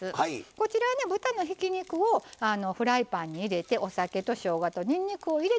こちらはね豚のひき肉をフライパンに入れてお酒としょうがとにんにくを入れて混ぜます。